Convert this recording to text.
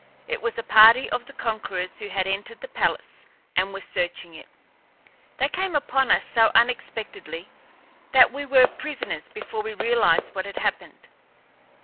It was a party of the conquerors who had entered the palace and were searching it. They came upon us so unexpectedly that we were prisoners before we realized what had happened.